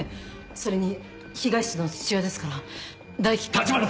それに被害者の父親ですから大樹君の。